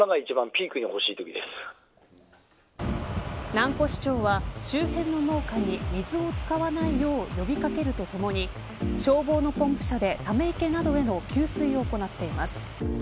蘭越町は周辺の農家に水を使わないよう呼び掛けるとともに消防のポンプ車で、ため池などへの給水を行っています。